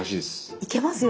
いけますよ